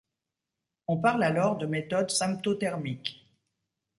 On parle alors de méthode symptothermique.